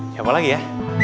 siapa lagi ya